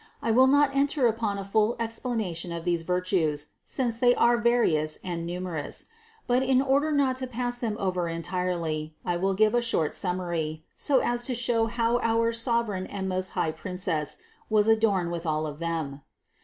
I will not enter upon a full ex planation of these virtues, since they are various and numerous ; but in order not to pass them over entirely, I will give a short summary, so as to show how our Sovereign and most high Princess was adorned with all of them.